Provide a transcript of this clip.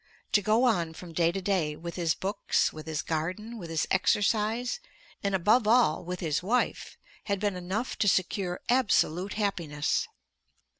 To go on from day to day with his books, with his garden, with his exercise, and above all with his wife, had been enough to secure absolute happiness.